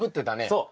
そう。